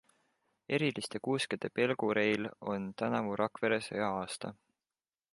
Eriliste kuuskede pelgureil on tänavu Rakveres hea aasta.